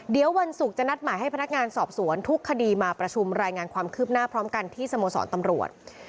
เดี๋ยววันศุกร์จะนัดหมายให้พนักงานสอบสวนทุกคดีมาประชุมรายงานความคืบหน้าพร้อมกันที่สโมสรตำรวจ